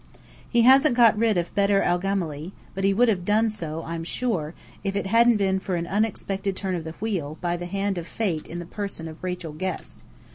He hasn't got rid of Bedr el Gemály; but he would have done so, I'm sure, if it hadn't been for an unexpected turn of the wheel, by the hand of Fate in the person of Rachel Guest.